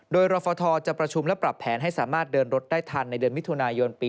โดยรฟทจะประชุมและปรับแผนให้สามารถเดินรถได้ทันในเดือนมิถุนายนปี๒